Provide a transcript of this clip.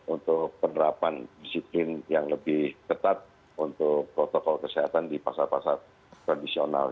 untuk penerapan disiplin yang lebih ketat untuk protokol kesehatan di pasar pasar tradisional